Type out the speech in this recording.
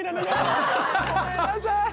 ごめんなさい。